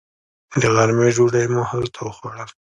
د غرمې ډوډۍ مو هلته وخوړل.